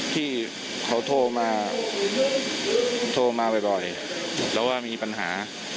ที่เขาโทรมาโทรมาบ่อยแล้วว่ามีปัญหา